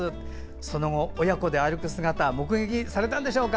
その後、親子で歩く姿を目撃されたんでしょうか？